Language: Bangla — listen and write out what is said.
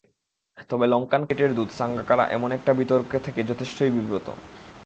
তবে লঙ্কান ক্রিকেটের দূত সাঙ্গাকারা এমন একটা বিতর্কে থেকে যথেষ্টই বিব্রত।